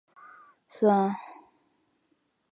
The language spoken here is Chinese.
观礼部政。